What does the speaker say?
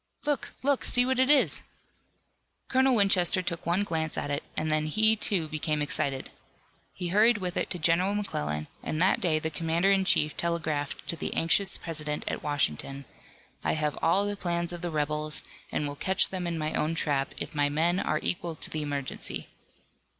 "Look! Look! See what it is!" Colonel Winchester took one glance at it, and then he, too, became excited. He hurried with it to General McClellan, and that day the commander in chief telegraphed to the anxious President at Washington: "I have all the plans of the rebels, and will catch them in my own trap, if my men are equal to the emergency."